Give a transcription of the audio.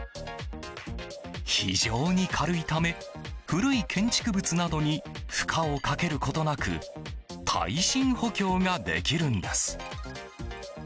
非常に軽いため古い建築物などに負荷をかけることなく耐震補強ができるんです。